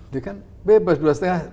dia kan bebas dua lima